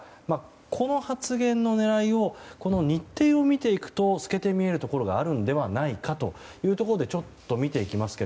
この発言の狙いを日程を見ていくと透けて見えるところがあるのではないかというところでちょっと、見ていきますが。